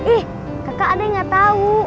ih kakak ada yang gak tau